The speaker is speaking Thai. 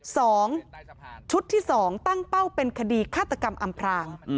สองชุดที่สองตั้งเป้าเป็นคดีฆาตกรรมอำพราง